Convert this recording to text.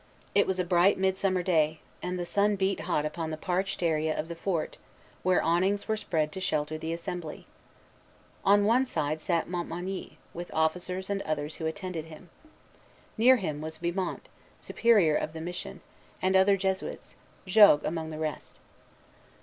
It was a bright midsummer day; and the sun beat hot upon the parched area of the fort, where awnings were spread to shelter the assembly. On one side sat Montmagny, with officers and others who attended him. Near him was Vimont, Superior of the Mission, and other Jesuits, Jogues among the rest.